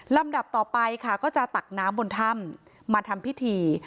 ดับต่อไปค่ะก็จะตักน้ำบนถ้ำมาทำพิธี